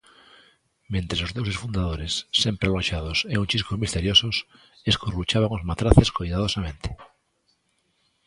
Mentres, os deuses fundadores, sempre alonxados e un chisco misteriosos, escurruchaban os matraces coidadosamente.